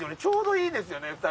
ょうどいいですよね